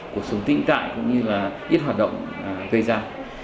cuộc sống tĩnh tại cũng như là ít hoạt động gây ra